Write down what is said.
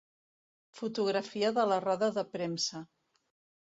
Fotografia de la roda de premsa.